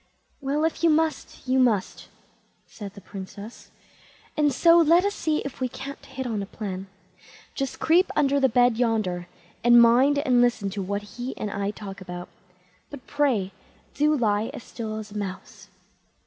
"Well, if you must, you must", said the Princess; "and so let us see if we can't hit on a plan. Just creep under the bed yonder, and mind and listen to what he and I talk about. But, pray, do lie as still as a mouse."